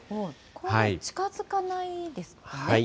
これは近づかないですかね。